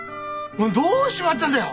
どうしちまったんだよ！？